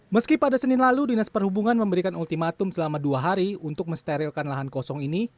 meski pada senin lalu dinas perhubungan memberikan ultimatum selama dua hari untuk mensterilkan lahan kosong ini